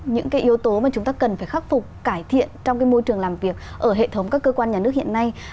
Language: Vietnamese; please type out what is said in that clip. những cái yếu tố mà chúng ta cần phải khắc phục cải thiện trong cái môi trường làm việc ở hệ thống các cơ quan nhà nước hiện nay